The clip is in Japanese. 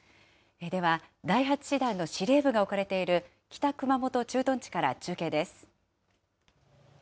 では第８師団の司令部が置かれている北熊本駐屯地から中継です。